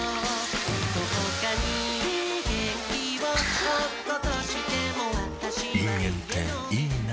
どこかに元気をおっことしてもあぁ人間っていいナ。